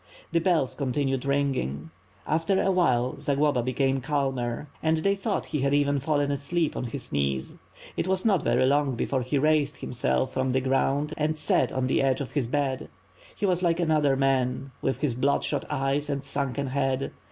The bells continued ringing. After a while, Zagloba became calmer and they thought he had even fallen asleep on his knees. But it was not very long 628 T^^^^ ^^^^^^^ SWORD, before he raised himself from the ground and sat on the edge of his bed. He was like another man, with his bloodshot eyes and sunken head.